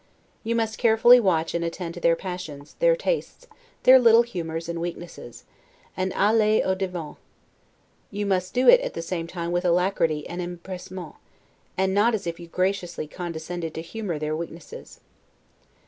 You must carefully watch and attend to their passions, their tastes, their little humors and weaknesses, and 'aller au devant'. You must do it at the same time with alacrity and 'empressement', and not as if you graciously condescended to humor their weaknesses.